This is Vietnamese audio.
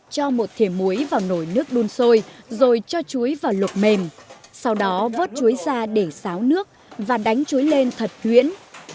cho một thịa muối vào nồi nước đun sôi rồi cho chuối vào luộc mềm sau đó vớt chuối ra để xáo nước và đánh chuối lên thật huyễn